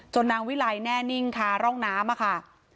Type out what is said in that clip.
นางวิลัยแน่นิ่งค่ะร่องน้ำค่ะ